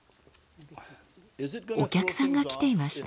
お客さんが来ていました。